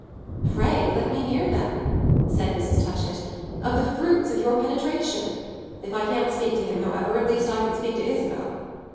"Pray let me hear then," said Mrs. Touchett, "of the fruits of your penetration. If I can't speak to him, however, at least I can speak to Isabel."